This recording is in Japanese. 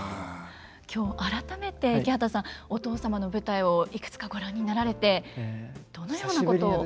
今日改めて池畑さんお父様の舞台をいくつかご覧になられてどのようなことを？